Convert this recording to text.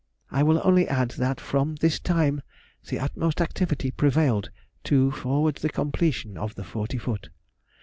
I will only add that from this time the utmost activity prevailed to forward the completion of the forty foot.